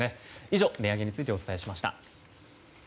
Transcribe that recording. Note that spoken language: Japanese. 以上、値上げについてお伝えしました。